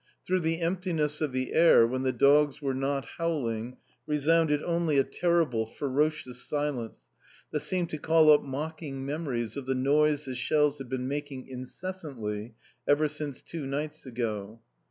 Through the emptiness of the air, when the dogs were not howling, resounded only a terrible, ferocious silence, that seemed to call up mocking memories of the noise the shells had been making incessantly, ever since two nights ago.